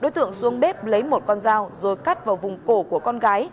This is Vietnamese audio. đối tượng xuống bếp lấy một con dao rồi cắt vào vùng cổ của con gái